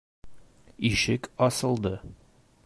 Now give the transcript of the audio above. - Ишек асылды.